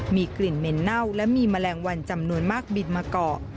มีกลิ่นเหม็นเน่าและมีแมลงวันจำนวนมากบิดมาเกาะ